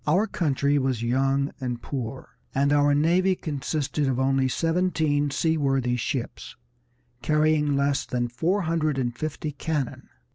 Our country was young and poor, and our navy consisted of only seventeen seaworthy ships, carrying less than four hundred and fifty cannon.